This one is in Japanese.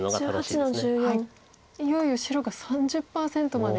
いよいよ白が３０％まで。